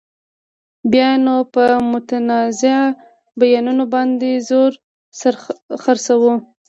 بیا نو په متنازعه بیانونو باندې زور خرڅوو.